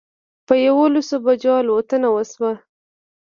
په یوولسو بجو الوتنه وشوه.